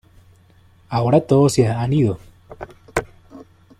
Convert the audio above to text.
Ahora todos se han ido